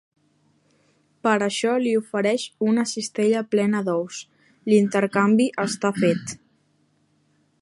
Per això li ofereix una cistella plena d'ous; l'intercanvi està fet.